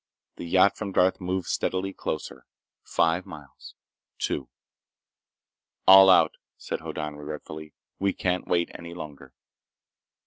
The yacht from Darth moved steadily closer. Five miles. Two. "All out," said Hoddan regretfully. "We can't wait any longer!"